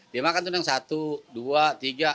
dimakan tuh neng satu dua tiga